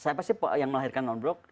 saya pasti yang melahirkan non block